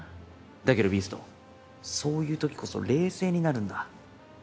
だけどビーストそういうときこそ冷静になるんだ。